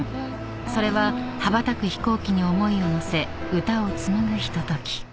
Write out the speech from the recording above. ［それは羽ばたく飛行機に思いを乗せ歌を紡ぐひととき］